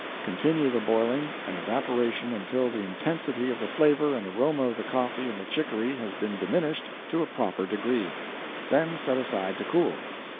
Continue the boiling and evaporation until the intensity of the flavor and aroma of the coffee and chicory has been diminished to a proper degree; then set aside to cool.